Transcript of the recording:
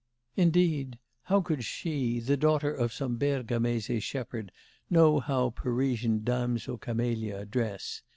Indeed, how could she, the daughter of some Bergamese shepherd, know how Parisian dames aux camélias dress!